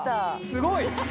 すごい！